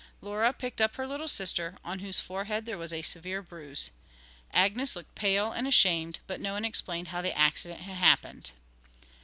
Laura picked up her little sister, on whose forehead there was a severe bruise. Agnes looked pale and ashamed, but no one explained how the accident had happened.